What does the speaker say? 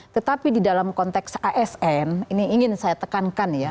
jadi di dalam konteks asn ini ingin saya tekankan ya